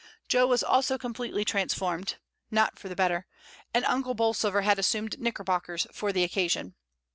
Jo was also completely transformed — not for the better — and Uncle Bolsover had assumed knickerbockers for the occasion.